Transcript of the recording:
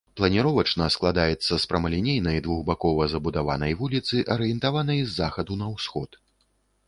Планіровачна складаецца з прамалінейнай, двухбакова забудаванай вуліцы, арыентаванай з захаду на ўсход.